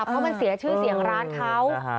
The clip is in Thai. เพราะมันเสียชื่อเสียงร้านเขา